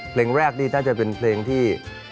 เพลงแรกนี่น่าจะเป็นเพลงที่